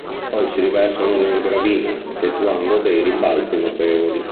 Poi si riversavano nel Gravina, effettuando dei rimbalzi notevoli.